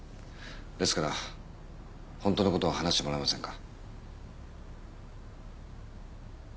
ですから本当の事を話してもらえませんか？